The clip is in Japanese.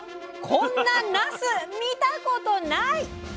こんななす見たことない！